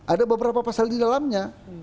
ada beberapa pasal di dalamnya